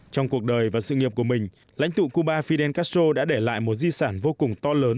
trong cuộc đời và sự nghiệp của mình lãnh tụ cuba fidel castro đã để lại một di sản vô cùng to lớn